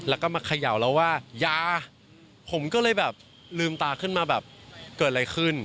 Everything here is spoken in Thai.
แล้วก็มาเขย่าเราว่ายาผมก็เลยแบบลืมตาขึ้นมาแบบเกิดอะไรขึ้น